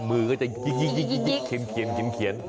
มือก็จะคิน